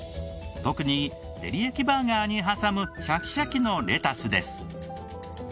特にテリヤキバーガーに挟むシャキシャキのレタスです。